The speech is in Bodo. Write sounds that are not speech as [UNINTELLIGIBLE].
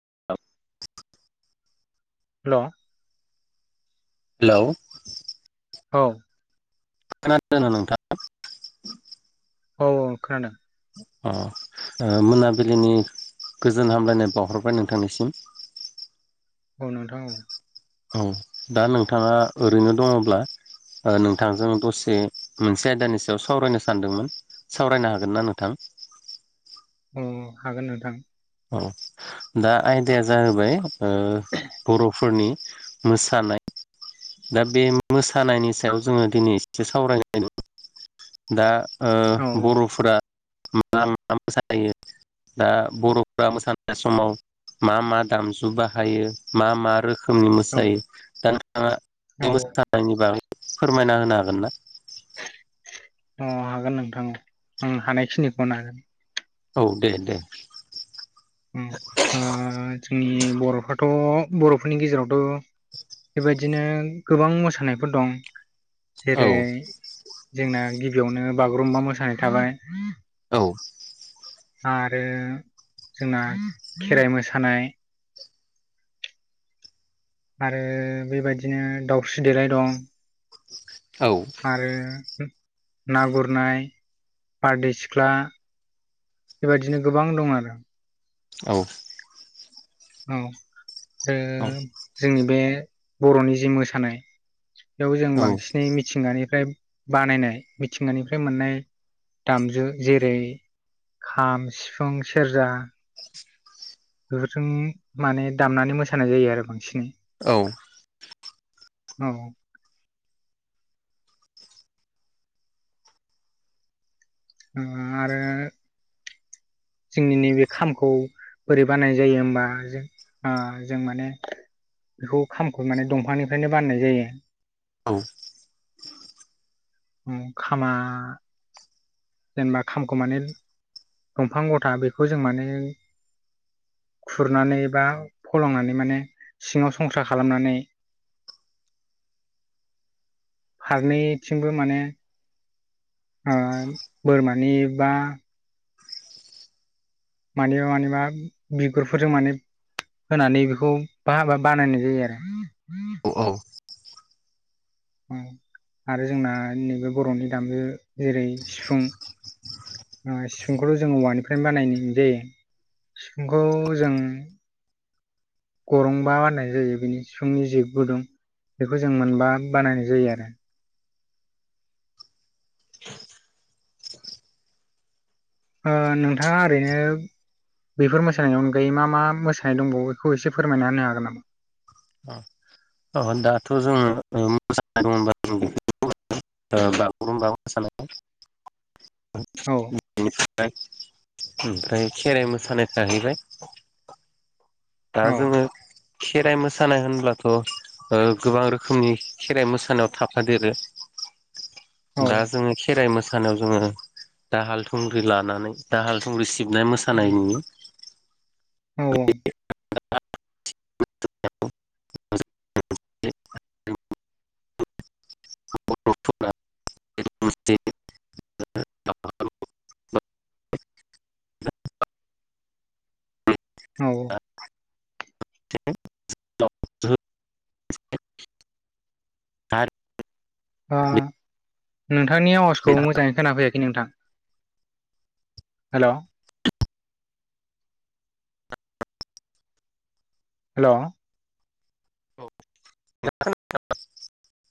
[UNINTELLIGIBLE] हेलौ हेलौ औ खोना दोंना नोंथां? औ औ खोनादों। अ मोनाबिलिनि गोजोन हामलायनाय बावहरबाय नोंथांनिसिम [INAUDIBLE] औ नोंथां औ औ दा नोंथाङा ओरैनो दङब्ला ओ नोंथांजों दसे मोनसे आयदानि सायाव सावरायनो सानदोंमोन सावरायनो हागोन ना नोंथां? उम हागोन नोंथां। औ दा आयदाया जाहैबाय बर'फोरनि मोसानाय दा बे मोसानायनि सायाव जोङो दिनै एसे सावरायलायदों दा औ ओ बर'फोरा मा मा मोसायो दा बर' मोसानायानाय समाव मा मा दामजु बाहायो मा मा रोखोम रोखोमनि औ मोसायो दा नोंथाङा औ बे मोसानायनि बागै फोरमायना होनो हागोन ना? अ हागोन नोंथां औ हानायखिनिखौनो हागोन। औ दे दे ओ जोंनि बर'फ्राथ' बर'फोरनि गेजेरावथ' बेबायदिनो गोबां मोसानायफोर दं। औ जेरै जोंना गिबियावनो बागुरुम्बा मोसानाय थाबाय औ आरो जोंना खेराइ मोसानाय आरो बेबायदिनो दाउस्रि देलाय दं औ आरो ना गुरनाय बारदै सिख्ला बेबायदिनो गोबां दं आरो औ औ ओ औ जोंनि बे बर'नि जि मोसानाय बेयाव जों औ बांसिनै मिथिंगानिफ्राय बानायनाय मिथिंगानिफ्राय मोननाय दामजु जेरै खाम सिफुं सेरजा बेफोरजों माने दामनानै मोसानाय जायो आरो बांसिनै औ औ आरो जोंनि नैबे खामखौ बोरै बानाय जायो होमबा जों ओ जों माने बेखौ खामखौ माने दंफांनिफ्रायनो बाननाय जायो। औ खामा जेनेबा खामखौ माने दंफां गथा बेखौ जों माने खुरनानै बा फलंनानै माने सिङाव संसार खालामनानै [INAUDIBLE] फारनैथिंबो माने ओ बोरमानि बा मानिबा मानिबा बिगुरफोरजों माने होनानै बेखौ बाबा बानायनाय जायो आरो। अ औ उम आरो जोंना नैबे बर'नि दामु जेरै सिफुं ओ सिफुंखौथ' जोंङो औवानिफ्रायनो बानायो दे। सिफुंखौ जों गरंबा बानायनाय जायो बिनि सिफुंनि जि गुदुं। बेखौ जों मोनबा बानायनाय जायो आरो। ओ नोंथाङा ओरैनो बेफोर मोसानायनि अनगायै मा मा मोसानाय दंबावो बेखौ एसे फोरमायना होनो हागोन नामा? औ दाथ' जोङो मोसानाय दंबा जों बेखौ ओ बागुरुमबा मोसानाय औ [UNINTELLIGIBLE] ओमफ्राय खेराइ मोसानाय थाहैबाय दा औ जोङो खेराइ मोस सानाय होनब्लाथ ओ' गोबां रोखोमनि खेराइ मोसानायाव थाफादेरो औ दा जोङो खेराइ मोसानायाव जोङो दाहाल थुंग्रि लानानै दाहाल थुंग्रि सिबनाय मोसानाय नुयो। औ [UNINTELLIGIBLE] [UNINTELLIGIBLE] गथ'फोरा [UNINTELLIGIBLE] औ [UNINTELLIGIBLE] आरो ओ नोंथांनि आवाजखौ मोजाङै खोनाफैयाखै नोंथां। हेल' हेल' [UNINTELLIGIBLE]